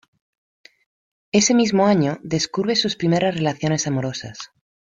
Ese mismo año descubre sus primeras relaciones amorosas.